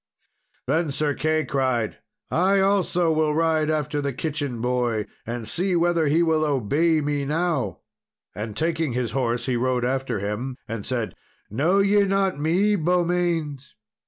Then Sir Key cried, "I also will ride after the kitchen boy, and see whether he will obey me now." And taking his horse, he rode after him, and said, "Know ye not me, Beaumains?"